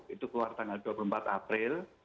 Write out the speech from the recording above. itu keluar tanggal dua puluh empat april